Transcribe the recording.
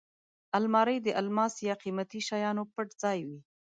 الماري د الماس یا قېمتي شیانو پټ ځای وي